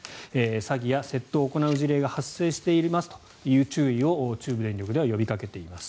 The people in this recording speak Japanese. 詐欺や窃盗を行う事例が発生していますという注意を中部電力では呼びかけています。